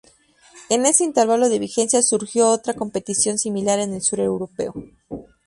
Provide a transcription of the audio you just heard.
En ese intervalo de vigencia surgió otra competición similar en el sur europeo.